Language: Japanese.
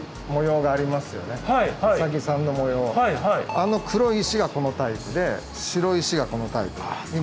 あの黒い石がこのタイプで白い石がこのタイプになります。